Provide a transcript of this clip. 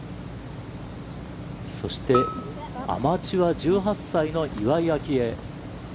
そして、アマチュア、１８歳の岩井明愛。